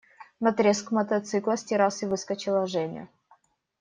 На треск мотоцикла с террасы выскочила Женя.